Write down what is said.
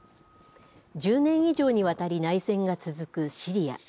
１０年以上にわたり内戦が続くシリア。